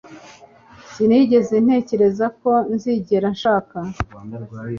sinigeze ntekereza ko nzigera nshaka